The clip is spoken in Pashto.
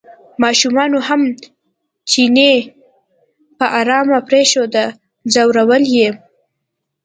ماشومانو هم چینی په ارام پرېنښوده ځورول یې.